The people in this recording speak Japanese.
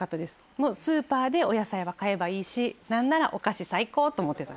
もうスーパーでお野菜は買えばいいしなんならお菓子最高と思ってた。